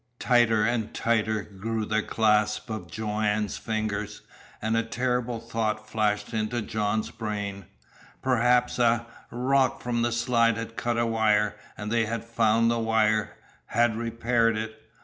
Tighter and tighter grew the clasp of Joanne's fingers, and a terrible thought flashed into John's brain. Perhaps a, rock from the slide had cut a wire, and they had found the wire had repaired it!